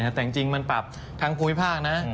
แต่จริงมันปรับทั้งภูมิภาคนะ